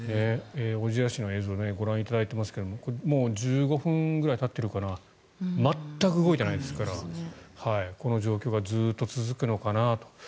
小千谷市の映像をご覧いただいていますがもう１５分ぐらいたっているかな全く動いていないですからこの状況がずっと続くのかなと。